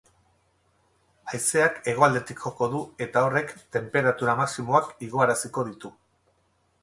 Haizeak hegoaldetik joko du, eta horrek tenperatura maximoak igoaraziko ditu.